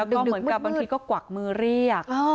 แล้วก็เหมือนกับบางทีก็กวักมือเรียก